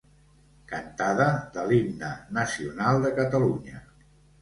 Cantada de l'himne Nacional de Catalunya.